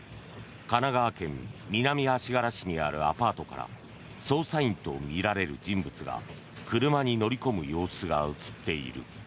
神奈川県南足柄市にあるアパートから捜査員とみられる人物が車に乗り込む様子が映っている。